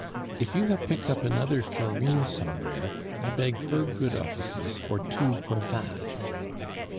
If you have picked up another Florine somewhere, I beg her good offices for two cravats.